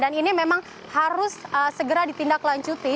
dan ini memang harus segera ditindaklanjuti